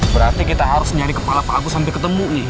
berarti kita harus nyari kepala bagus sampai ketemu nih